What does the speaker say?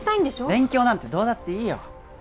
勉強なんてどうだっていいよ！